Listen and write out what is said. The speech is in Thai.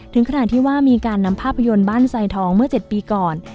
ถึงขนาดที่ว่ามีการนำภาพยนตร์บ้านไซทองเมื่อ๗ปีก่อน